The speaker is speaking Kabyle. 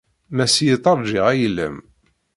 Ma seg-i tarǧiḍ ayla-m.